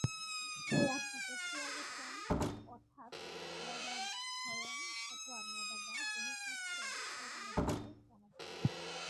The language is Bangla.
এই আত্মাকে প্রবচন অর্থাৎ বেদাধ্যয়ন অথবা মেধা বা বহুশাস্ত্র-শ্রবণের দ্বারাও জানা যায় না।